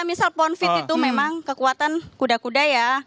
misal ponfit itu memang kekuatan kuda kuda ya